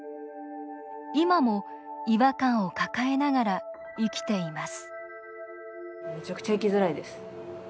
今も違和感を抱えながら生きています